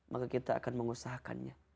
maka kita akan mengusahakannya